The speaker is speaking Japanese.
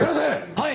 はい！